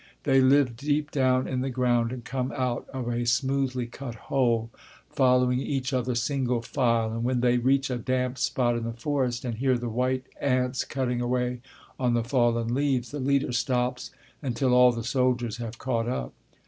They live deep down in the ground and come out of a smoothly cut hole, following each other single file, and when they reach a damp spot in the forest and hear the white ants cutting away on the fallen leaves, the leader stops until all the soldiers have caught up.